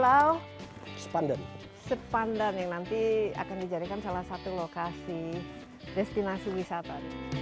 pulau sepandan yang nanti akan dijadikan salah satu lokasi destinasi wisata